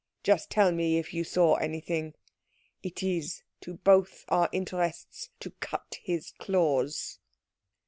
Just tell me if you saw anything. It is to both our interests to cut his claws."